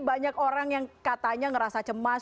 banyak orang yang katanya ngerasa cemas